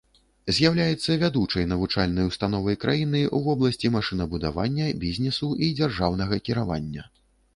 З'яўляецца вядучай навучальнай установай краіны ў вобласці машынабудавання, бізнесу і дзяржаўнага кіравання.